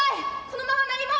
「このまま何も」。